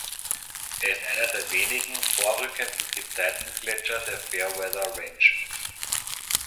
Er ist einer der wenigen vorrückenden Gezeitengletscher der Fairweather Range.